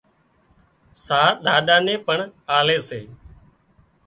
ساهَه ڏاڏا نين پڻ آلي سي